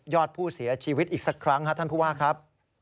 อดผู้เสียชีวิตอีกสักครั้งครับท่านผู้ว่าครับ